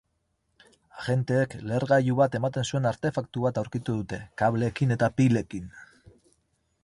Agenteek lehergailu bat ematen zuen artefaktu bat aurkitu dute, kableekin eta pilekin.